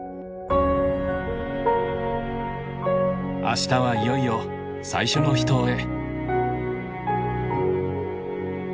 明日はいよいよ最初の秘湯へ。